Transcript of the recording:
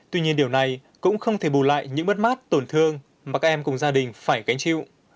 tuy nhiên điều này cũng không thể bù lại những mất mát tổn thương mà các em cùng gia đình phải gánh chịu